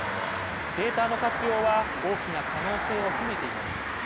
データの活用は大きな可能性を秘めています。